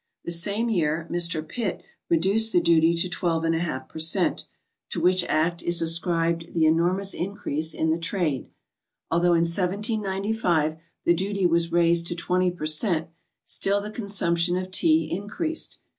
The same year Mr. Pitt reduced the duty to 12½ per cent., to which act is ascribed the enormous increase in the trade. Although in 1795 the duty was raised to 20 per cent., still the consumption of Tea increased.